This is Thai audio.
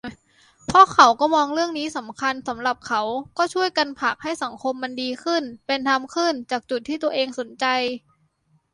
เพราะเขาก็มองเรื่องนี้สำคัญสำหรับเขา ก็ช่วยกันผลักให้สังคมมันดีขึ้นเป็นธรรมขึ้นจากจุดที่ตัวเองสนใจ